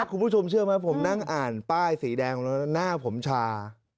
คุณผู้ชมเชื่อไหมผมนั่งอ่านป้ายสีแดงแล้วหน้าผมชา